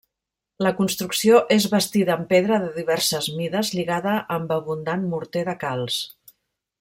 La construcció és bastida amb pedra de diverses mides lligada amb abundant morter de calç.